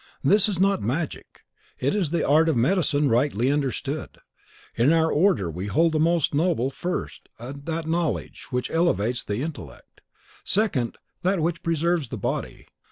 This is not magic; it is the art of medicine rightly understood. In our order we hold most noble, first, that knowledge which elevates the intellect; secondly, that which preserves the body.